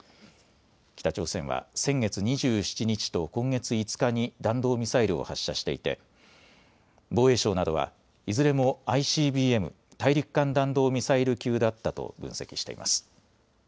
北朝鮮は先月２７日と今月５日に弾道ミサイルを発射していて防衛省などはいずれもＩＣＢＭ・大陸間弾道ミサイル級だったと分析しています。